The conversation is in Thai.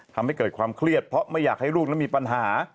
ทำให้เกิดความเครียดเพราะไม่อยากให้ลูกนั้นมีปัญหา